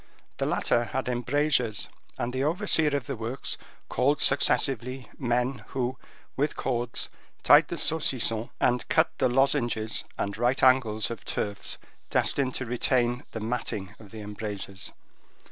The latter had embrasures, and the overseer of the works called successively men who, with cords, tied the saucissons and cut the lozenges and right angles of turfs destined to retain the matting of the embrasures.